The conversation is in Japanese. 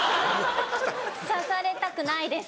さされたくないです。